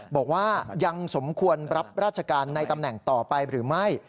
บอกว่ายังสมควรรับราชการในตำแหน่งต่อไปหรือไม่